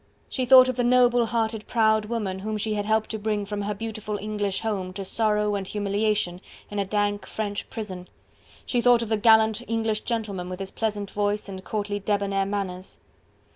She thought of the noble hearted, proud woman whom she had helped to bring from her beautiful English home to sorrow and humiliation in a dank French prison, she thought of the gallant English gentleman with his pleasant voice and courtly, debonnair manners.